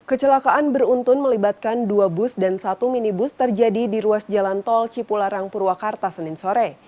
kecelakaan beruntun melibatkan dua bus dan satu minibus terjadi di ruas jalan tol cipularang purwakarta senin sore